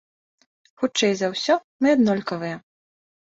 Хутчэй за ўсё, мы аднолькавыя.